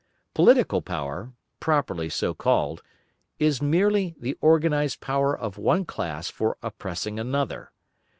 Political power, properly so called, is merely the organised power of one class for oppressing another.